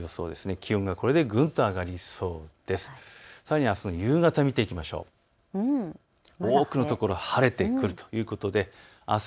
気温がこれでぐんと上がりそうです。